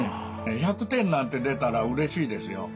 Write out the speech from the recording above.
１００点なんて出たらうれしいですよ。